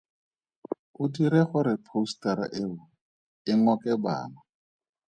O dire gore phousetara eo e ngoke bana.